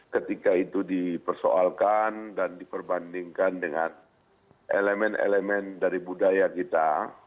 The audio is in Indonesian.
ketika itu dipersoalkan dan diperbandingkan dengan elemen elemen dari budaya kita